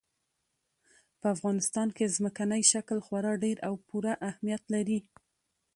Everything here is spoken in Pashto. په افغانستان کې ځمکنی شکل خورا ډېر او پوره اهمیت لري.